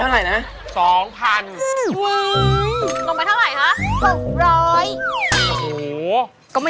ว้ายเขาเพิ่งมาเห็นมั้ย